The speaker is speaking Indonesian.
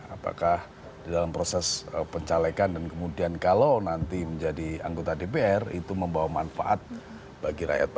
apakah dalam proses pencalekan dan kemudian kalau nanti menjadi anggota dpr itu membawa manfaat